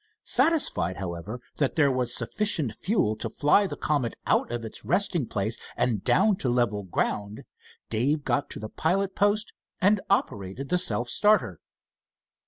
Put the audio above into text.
Satisfied, however, that there was sufficient fuel to fly the Comet out of its resting place and down to level ground, Dave got to the pilot post and operated the self starter.